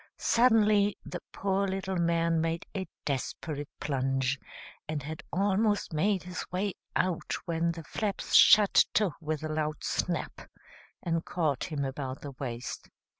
Suddenly the poor little man made a desperate plunge, and had almost made his way out when the flaps shut to with a loud snap and caught him about the waist.